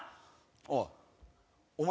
おいお前